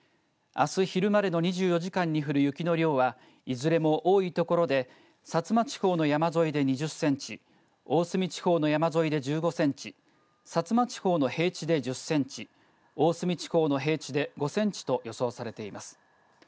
あす昼までの２４時間に降る雪の量はいずれも多い所で薩摩地方の山沿いで２０センチ大隅地方の山沿いで１５センチ薩摩地方の平地で１０センチ大隅地方の平地で５センチと予想されています。